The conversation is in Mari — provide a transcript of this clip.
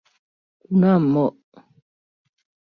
— Кунам... мо?